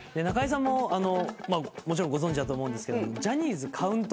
中居さんももちろんご存じだと思うんですけど。